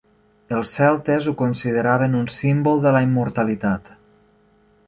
Els celtes ho consideraven un símbol de la immortalitat.